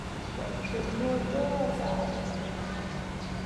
可浏览的内容如下。